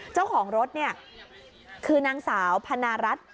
เจ้าของรถเนี่ยคือนางสาวพนารัฐ